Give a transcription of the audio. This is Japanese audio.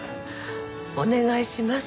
お願いします。